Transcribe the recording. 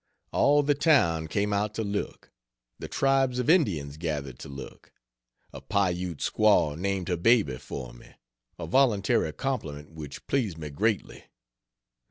All the town came out to look. The tribes of Indians gathered to look. A Piute squaw named her baby for me, a voluntary compliment which pleased me greatly.